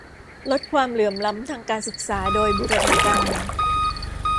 ลดความเหลื่อมล้ำทางการศึกษาโดยบูรณาการ